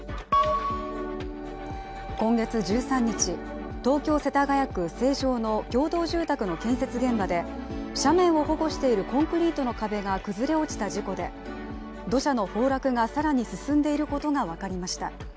今月１３日、東京・世田谷区成城の共同住宅の建設現場で斜面を保護しているコンクリートの壁が崩れ落ちた事故で土砂の崩落が更に進んでいることが分かりました。